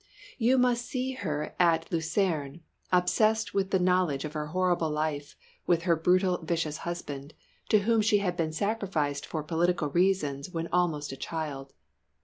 You must see her at Lucerne, obsessed with the knowledge of her horrible life with her brutal, vicious husband, to whom she had been sacrificed for political reasons when almost a child.